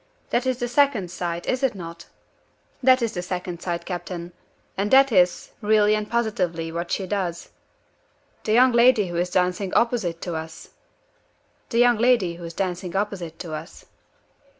That is the Second Sight, is it not?" "That is the Second Sight, captain. And that is, really and positively, what she does." "The young lady who is dancing opposite to us?" "The young lady who is dancing opposite to us."